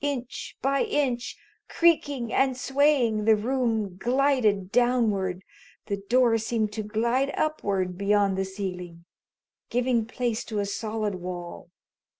Inch by inch, creaking and swaying, the room glided downward. The door seemed to glide upward beyond the ceiling, giving place to a solid wall.